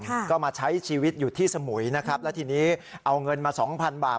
ค่ะก็มาใช้ชีวิตอยู่ที่สมุยนะครับแล้วทีนี้เอาเงินมาสองพันบาท